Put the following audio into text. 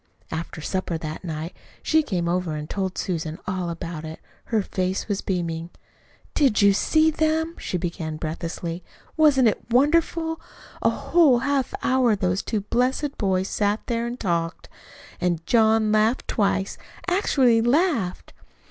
After supper that night she came over and told Susan all about it. Her face was beaming. "Did you see them?" she began breathlessly. "Wasn't it wonderful? A whole half hour those two blessed boys sat there an' talked; an' John laughed twice, actually laughed."